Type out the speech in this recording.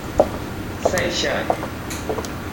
賽夏語